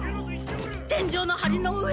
天井のハリの上。